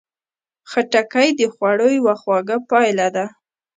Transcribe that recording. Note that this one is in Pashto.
خټکی د خوړو یوه خواږه پایه ده.